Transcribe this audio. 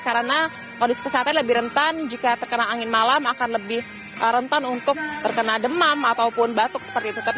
karena kondisi kesehatan lebih rentan jika terkena angin malam akan lebih rentan untuk terkena demam ataupun batuk seperti itu